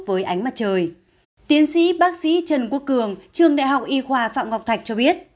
với ánh mặt trời tiến sĩ bác sĩ trần quốc cường trường đại học y khoa phạm ngọc thạch cho biết